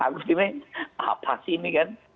dan aku begini apa sih ini kan